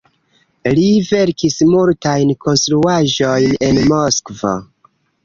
Li verkis multajn konstruaĵojn en Moskvo.